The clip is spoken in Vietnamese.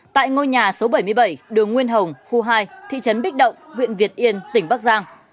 tại ngôi nhà số bảy mươi bảy đường nguyên hồng khu hai thị trấn bích động huyện việt yên tỉnh bắc giang